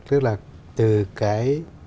tức là từ cái